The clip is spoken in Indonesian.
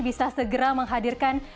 bisa segera menghadirkan